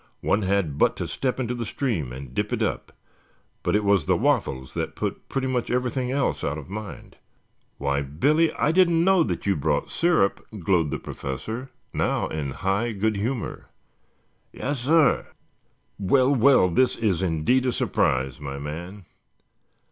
One had but to step to the stream and dip it up, but it was the waffles that put pretty much everything else out of mind. "Why, Billy, I didn't know that you brought syrup," glowed the Professor, now in high good humor. "Yassir." "Well, well! This is indeed a surprise, my man."